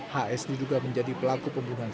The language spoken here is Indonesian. hs diduga menjadi pelaku pembunuhan